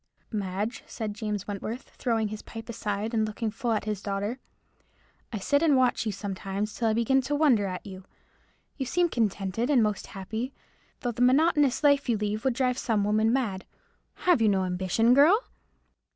"Madge," said James Wentworth, throwing his pipe aside, and looking full at his daughter, "I sit and watch you sometimes till I begin to wonder at you. You seem contented and most happy, though the monotonous life you lead would drive some women mad. Have you no ambition, girl?"